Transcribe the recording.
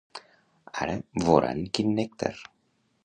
Ara voran quin nèctar.